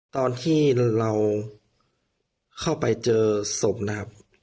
ตอนที่เราเข้าไปเจอศพนะครับ